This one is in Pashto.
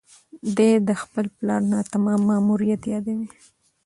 ده د خپل پلار ناتمام ماموریت یادوي.